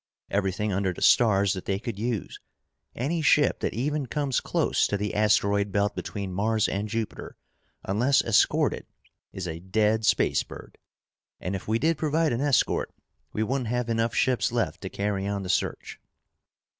Everything under the stars that they could use. Any ship that even comes close to the asteroid belt between Mars and Jupiter, unless escorted, is a dead space bird. And if we did provide an escort, we wouldn't have enough ships left to carry on the search."